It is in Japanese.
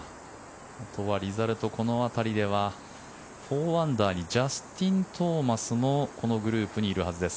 あとはリザルト、この辺りでは４アンダーにジャスティン・トーマスもこのグループにいるはずです。